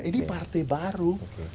ini partai baru